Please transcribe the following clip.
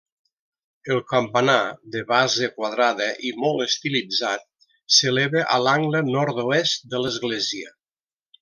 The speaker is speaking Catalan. El campanar, de base quadrada i molt estilitzat, s'eleva a l'angle nord-oest de l'església.